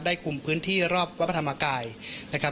คุมพื้นที่รอบวัดพระธรรมกายนะครับ